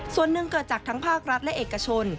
ส่วนหนึ่งเกิดจากทั้งภาครัฐและเอกชน